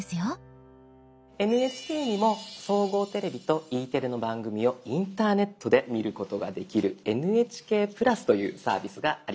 ＮＨＫにも「総合テレビ」と「Ｅテレ」の番組をインターネットで見ることができる「ＮＨＫプラス」というサービスがあります。